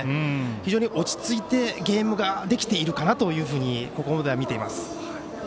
非常に落ち着いてゲームができているかなとここまでは見ています。